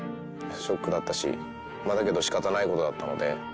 ショックだったしだけど仕方ない事だったので。